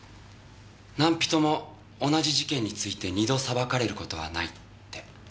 「何人も同じ事件について二度裁かれることはない」って。